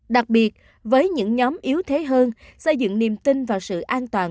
đặc biệt với những nhóm yếu thế hơn xây dựng niềm tin vào sự an toàn